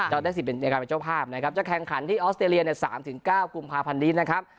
จะได้สิทธิ์ในการเป็นเจ้าภาพนะครับจะแข่งขันที่ออสเตรเลีย๓๙กุมภาพันธ์นี้นะครับ